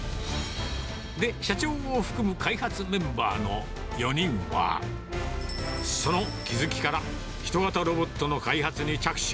で、社長を含む開発メンバーの４人は、その気付きから、人型ロボットの開発に着手。